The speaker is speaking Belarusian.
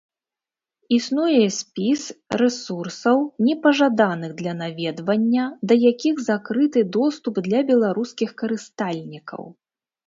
Існуе спіс рэсурсаў, непажаданых для наведвання, да якіх закрыты доступ для беларускіх карыстальнікаў.